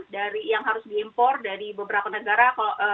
dari yang harus diimpor dari beberapa negara